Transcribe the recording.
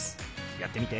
やってみて。